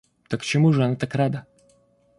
Так чему же она так рада?